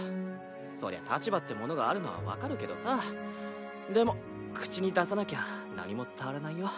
そりゃ立場ってものがあるのは分かるけどさでも口に出さなきゃ何も伝わらないよ。